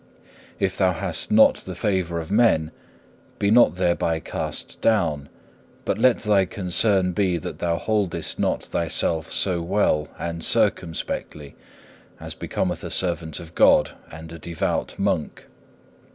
If thou hast not the favour of men, be not thereby cast down, but let thy concern be that thou holdest not thyself so well and circumspectly, as becometh a servant of God and a devout monk.